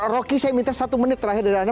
rocky saya minta satu menit terakhir dari anda